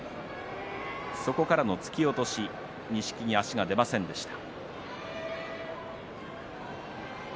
そこからの突き落とし、錦木、足が出ませんでした。